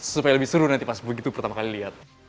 supaya lebih seru nanti pas begitu pertama kali lihat